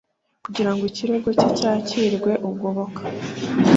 Kugira ngo ikirego cye cyakirwe ugoboka